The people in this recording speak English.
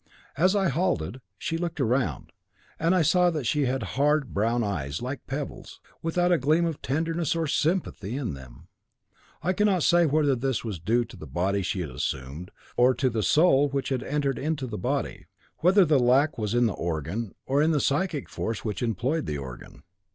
As I halted, she looked round, and I saw that she had hard, brown eyes, like pebbles, without a gleam of tenderness or sympathy in them. I cannot say whether this was due to the body she had assumed, or to the soul which had entered into the body whether the lack was in the organ, or in the psychic force which employed the organ.